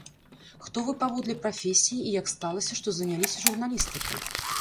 Хто вы паводле прафесіі і як сталася, што заняліся журналістыкай?